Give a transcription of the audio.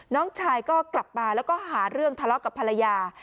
น้องชายก็กลับมาแล้วก็หาเรื่องทะเลาะกับภรรยา